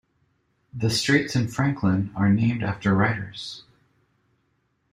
The streets in Franklin are named after writers.